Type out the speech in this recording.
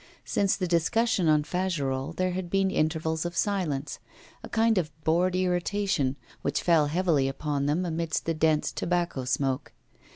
Since the discussion on Fagerolles there had been intervals of silence, a kind of bored irritation, which fell heavily upon them amidst the dense tobacco smoke.